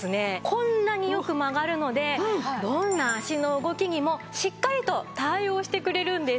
こんなによく曲がるのでどんな足の動きにもしっかりと対応してくれるんです。